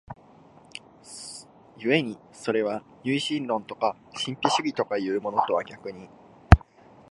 故にそれは唯心論とか神秘主義とかいうものとは逆に、